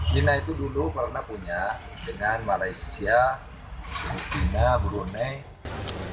bina itu dulu karena punya dengan malaysia china brunei